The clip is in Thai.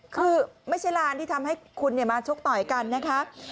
คือไม่ใช่ลานที่ทำให้คุณมาชกต่อยกันนะคะ